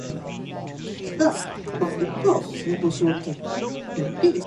Insulting them is not permitted.